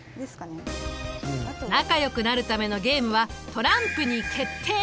仲良くなるためのゲームはトランプに決定！